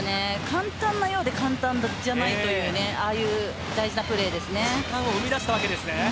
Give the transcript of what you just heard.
簡単なようで簡単じゃないという大事なプレーです。